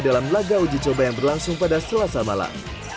dalam laga uji coba yang berlangsung pada selasa malam